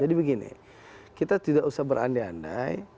jadi begini kita tidak usah berandai andai